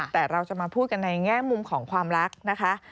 แต่เราจะมาพูดกันในแง่มุมของความรักนะคะ